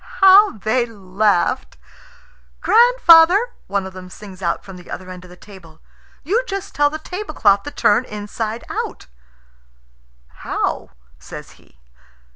How they laughed! "Grandfather," one of them sings out from the other end of the table, "you just tell the tablecloth to turn inside out," "How?" says he.